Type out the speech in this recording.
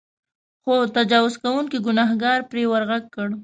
خو تجاوز کوونکي ګنهکار پرې ورغږ کړ.